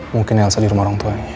mungkin elsa di rumah orang tuanya